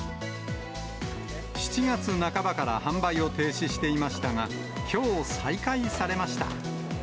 ７月半ばから販売を停止していましたが、きょう再開されました。